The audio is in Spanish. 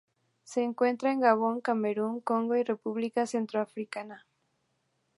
Se encuentra en Gabón, Camerún, Congo y República Centroafricana.